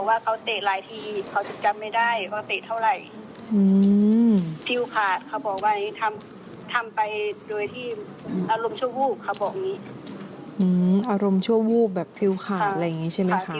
อารมณ์ชั่ววูบแบบฟิวขาดอะไรอย่างนี้ใช่ไหมครับ